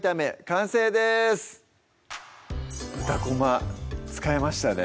完成です豚こま使えましたね